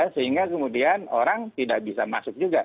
sehingga kemudian orang tidak bisa masuk juga